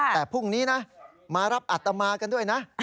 แต่พรุ่งนี้นะมารับอัตมากันด้วยนะ